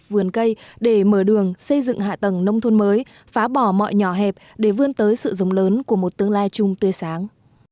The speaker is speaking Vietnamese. vườn cây để mở đường xây dựng hạ tầng nông thôn mới phá bỏ mọi nhỏ hẹp để vươn tới sự rồng lớn của một tương lai chung tươi sáng